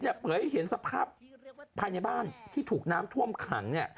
ในคลิปเปลี่ยนสภาพภายในบ้านที่ถูกน้ำท่วมขัง